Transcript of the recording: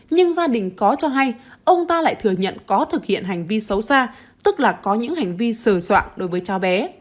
nhưng gia đình có cho hay ông ta lại thừa nhận có thực hiện hành vi xấu xa tức là có những hành vi sờ soạn đối với cháu bé